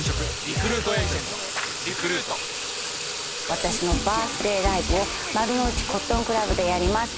私のバースデーライブを丸の内コットンクラブでやります。